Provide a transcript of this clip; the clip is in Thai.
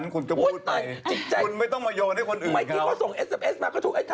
คุณผู้ชมครับถูกดู